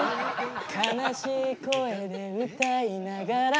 「悲しい声で歌いながら」